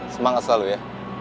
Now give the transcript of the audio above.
semangat selalu ya